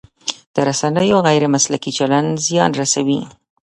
د رسنیو غیر مسلکي چلند زیان رسوي.